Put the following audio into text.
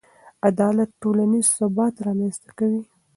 عدالت ټولنیز ثبات رامنځته کوي.